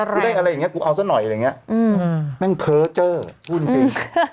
กูขออะไรแล้วกูได้แน่งเคราะห์เจอพูดจริง